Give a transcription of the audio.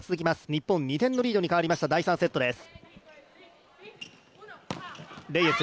日本、２点のリードに変わりました、第３セットです。